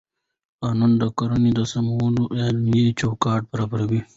قانون د کړنو د سمون عملي چوکاټ برابروي.